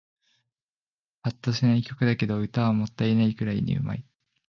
ぱっとしない曲だけど、歌はもったいないくらいに上手い